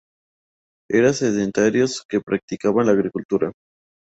Eran sedentarios que practicaban la agricultura.